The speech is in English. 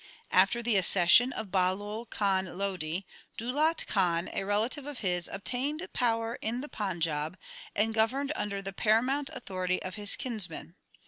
After the accession of Bahlol Khan Lodi, Daulat Khan, a relative of his, obtained power in the Panjab, and governed under the paramount authority of his kinsman.